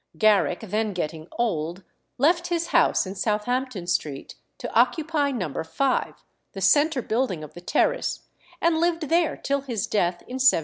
Garrick, then getting old, left his house in Southampton Street to occupy No. 5, the centre building of the terrace, and lived there till his death in 1779.